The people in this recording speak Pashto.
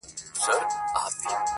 • او ساړه او توند بادونه -